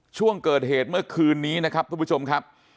ช่วงเกิดเหตุเมื่อคืนนี้นะครับทุกผู้ชมครับ